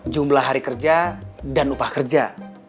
jumlah hari kerja dan upah kerja